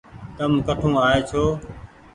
تم ڪٺون آئي ڇوٚنٚ